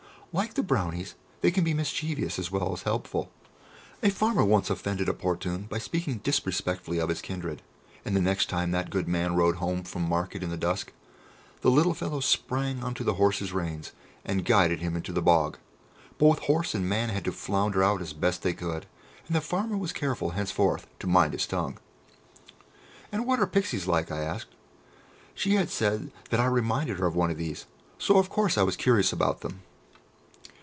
Like the Brownies, they can be mischievous as well as helpful. A farmer once offended a Portune by speaking disrespectfully of his kindred, and the next time that the good man rode home from market in the dusk, the little fellow sprang on to the horse's reins, and guided him into the bog. Both horse and man had to flounder out as best they could, and the farmer was careful henceforth to mind his tongue." "And what are Pixies like?" I asked. She had said that I reminded her of one of these, so of course I was curious about them.